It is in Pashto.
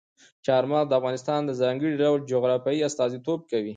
چار مغز د افغانستان د ځانګړي ډول جغرافیې استازیتوب کوي.